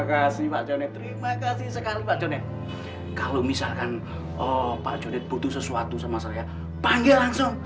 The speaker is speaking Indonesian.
kasih terima kasih sekali kalau misalkan oh pak jonet butuh sesuatu sama saya panggil langsung